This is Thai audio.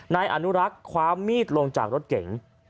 นายอนุรักษ์ความมีดลงจากรถเก๋ง